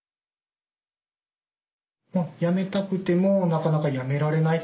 やめたくてもなかなかやめられないという感じですかね？